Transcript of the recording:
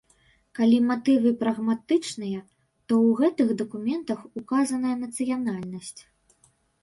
Калі матывы прагматычныя, то ў гэтых дакументах указаная нацыянальнасць.